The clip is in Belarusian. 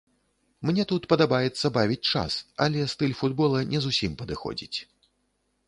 Мне тут падабаецца бавіць час, але стыль футбола не зусім падыходзіць.